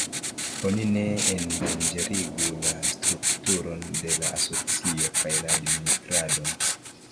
Oni ne endanĝerigu la strukturon de la asocio kaj la administradon.